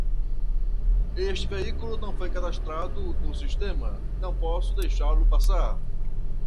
Este veículo não foi cadastrado no sistema, não posso deixá-lo passar.